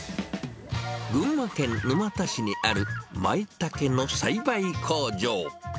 群馬県沼田市にあるマイタケの栽培工場。